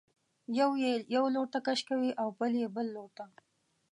یو یې یو لورته کش کوي او بل یې بل لورته.